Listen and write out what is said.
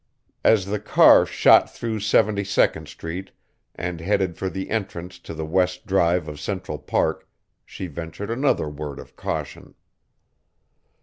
As the car shot through Seventy second street and headed for the entrance to the West Drive of Central Park, she ventured another word of caution.